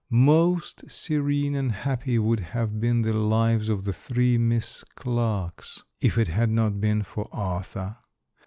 Most serene and happy would have been the lives of the three Miss Clarkes, if it had not been for Arthur.